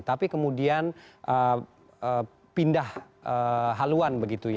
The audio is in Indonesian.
tapi kemudian pindah haluan